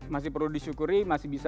masih perlu disyukuri masih bisa